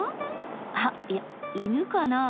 あっいや犬かなあ！